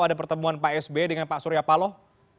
ada pertemuan pak sby dengan pak surya paloh